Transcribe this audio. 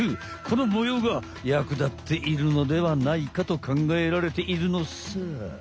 この模様が役立っているのではないかとかんがえられているのさ。